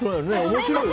面白い。